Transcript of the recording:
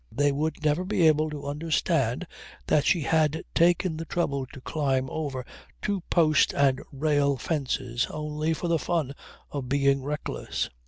They would never be able to understand that she had taken the trouble to climb over two post and rail fences only for the fun of being reckless.